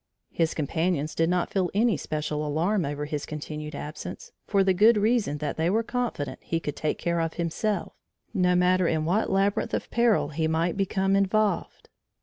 His companions did not feel any special alarm over his continued absence, for the good reason that they were confident he could take care of himself no matter in what labyrinth of peril he might become involved.